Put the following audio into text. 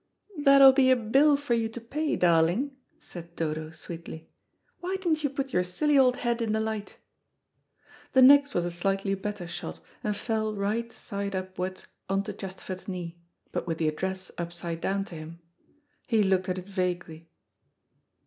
"That'll be a bill for you to pay, darling," said Dodo sweetly. "Why didn't you put your silly old head in the light?" The next was a slightly better shot, and fell right side upwards on to Chesterford's knee, but with the address upside down to him. He looked at it vaguely.